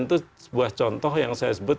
itu sebuah contoh yang saya sebut